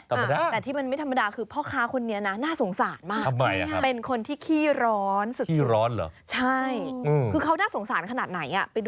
ธรรมดาแต่ที่มันไม่ธรรมดาคือพ่อค้าคนนี้นะน่าสงสารมาก